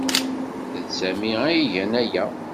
D Sami ay igan aya.